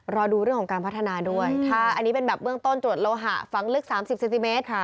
รอดูเรื่องของการพัฒนาด้วยถ้าอันนี้เป็นแบบเบื้องต้นตรวจโลหะฝังลึก๓๐เซนติเมตร